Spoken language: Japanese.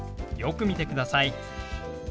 よく見てください。